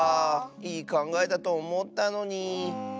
いいかんがえだとおもったのに。